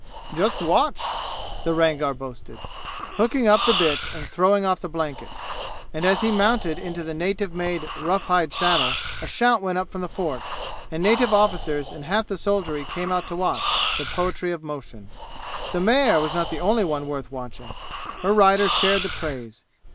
"Just watch!" the Rangar boasted; hooking up the bit and throwing off the blanket. And as he mounted into the native made rough hide saddle a shout went up from the fort and native officers and half the soldiery came out to watch the poetry of motion. The mare was not the only one worth watching; her rider shared the praise.